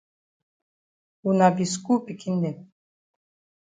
Wuna be skul pikin dem.